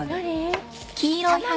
何？